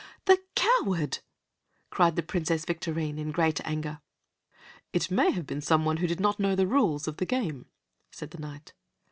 "The coward!" cried the Princess Victorine, in great anger. "It may have been some one who did not know the rules of the game," said the Knight.